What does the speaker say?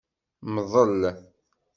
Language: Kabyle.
Mḍel.